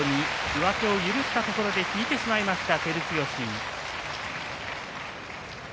上手を許したところで引いてしまいました。